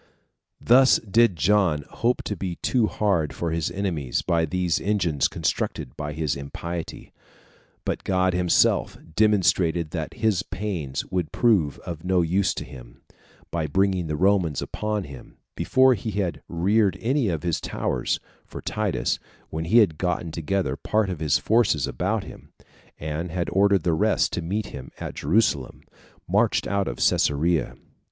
6. Thus did John hope to be too hard for his enemies by these engines constructed by his impiety; but God himself demonstrated that his pains would prove of no use to him, by bringing the Romans upon him, before he had reared any of his towers; for Titus, when he had gotten together part of his forces about him, and had ordered the rest to meet him at Jerusalem, marched out of Cesarea.